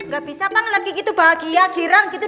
gak bisa banget kiki tuh bahagia kirang gitu